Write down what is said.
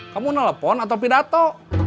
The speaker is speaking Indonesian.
kamu nelfon atau pidato